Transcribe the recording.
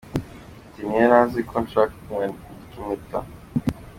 Ati :”Ntiyari azi ko nshaka kumwambika impeta.